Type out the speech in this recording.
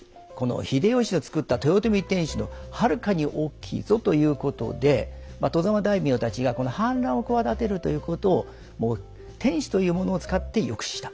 秀吉の造った豊臣天守のはるかに大きいぞということで外様大名たちが反乱を企てるということを天守というものを使って抑止した。